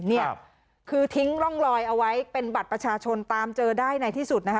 เนี่ยคือทิ้งร่องรอยเอาไว้เป็นบัตรประชาชนตามเจอได้ในที่สุดนะคะ